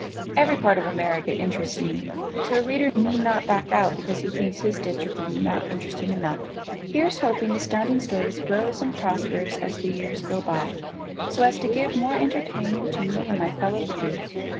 Every part of America interests me, so a Reader need not back out because he thinks his district would not be interesting enough. Here's hoping Astounding Stories grows and prospers as the years go by, so as to give more entertainment to me and my fellow readers.